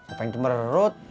apa yang cemberut